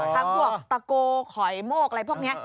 พวกตะโกขอยโมกอะไรพวกนี้